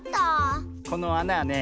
このあなはね